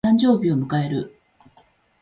誕生日を迎える。